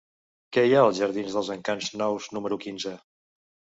Què hi ha als jardins dels Encants Nous número quinze?